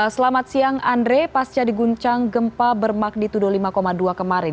selamat siang andre pasca diguncang gempa bermak di tudolima kemarin